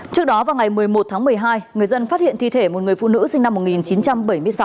trước đó vào ngày một mươi một tháng một mươi hai người dân phát hiện thi thể một người phụ nữ sinh năm một nghìn chín trăm bảy mươi sáu